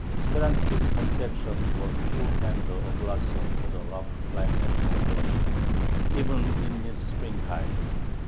Speranski's conception was too tender a blossom for the rough climate of Russia, even in its springtide.